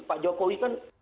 pak jokowi kan